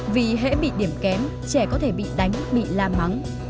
vì hễ bị điểm kém trẻ có thể bị đánh bị la mắng